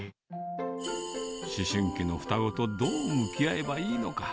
思春期の双子とどう向き合えばいいのか。